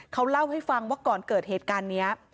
เขาเล่าให้ฟังว่าก่อนเกิดเหตุการณ์นี้